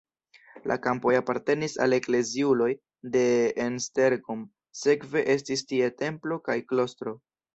La kampoj apartenis al ekleziuloj de Esztergom, sekve estis tie templo kaj klostro.